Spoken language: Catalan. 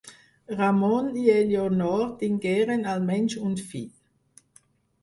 Ramon i Elionor tingueren almenys un fill: